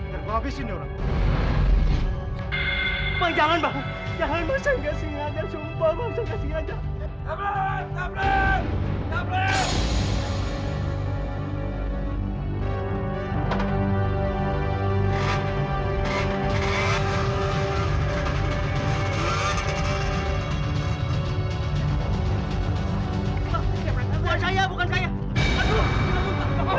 jangan banget saya nggak sengaja sumpah